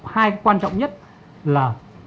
hai cái quan trọng nhất là